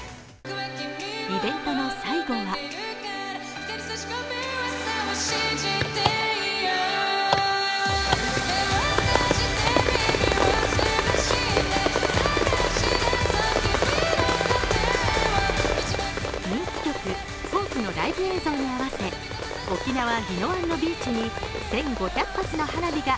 イベントの最後は人気曲「Ｈｏｐｅ」のライブ映像に合わせ沖縄・宜野湾のビーチに１５００発の花火が